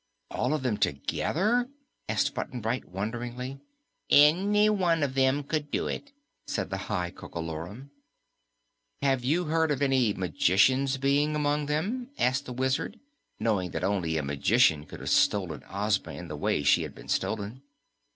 "All of them together?" asked Button Bright wonderingly. "Any one of them could do it," said the High Coco Lorum. "Have you heard of any magicians being among them?" asked the Wizard, knowing that only a magician could have stolen Ozma in the way she had been stolen.